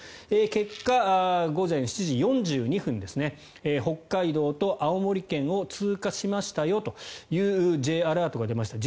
結果、午前７時４２分ですね北海道と青森県を通過しましたよというＪアラートが出ました。